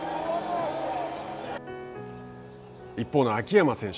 一方の秋山選手。